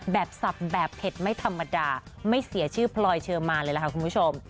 สับแบบเผ็ดไม่ธรรมดาไม่เสียชื่อพลอยเชอร์มานเลยล่ะค่ะคุณผู้ชม